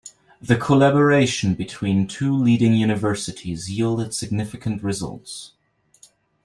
The collaboration between two leading Universities yielded significant results.